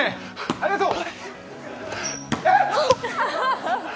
ありがとう！